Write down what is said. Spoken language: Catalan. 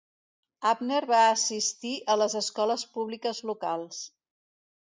Abner va assistir a les escoles públiques locals.